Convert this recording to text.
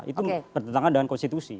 itu bertentangan dengan konstitusi